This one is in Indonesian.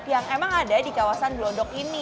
yang emang ada di kawasan glodok ini